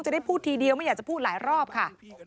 จะได้พูดทีเดียวไม่อยากจะพูดหลายรอบค่ะ